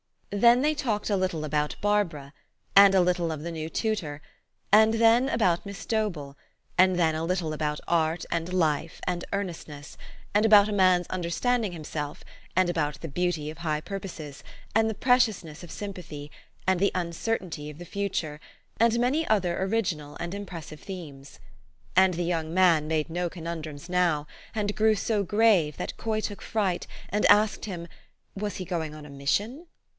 Then they talked a little about Barbara, and a little of the new tutor, and then about Miss Dobell, and then a little about art and life, and earnestness, and about a man's understanding himself, and about the beauty of high purposes, and the preciousness of sympathy, and the uncertainty of the future, and many other original and impressive themes. And the young man made no conundrums now, and grew so grave, that Coy took fright, and asked him, Was he going on a mission?